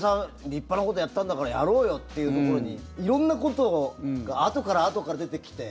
立派なことやったんだからやろうよっていうところに色んなことがあとからあとから出てきて。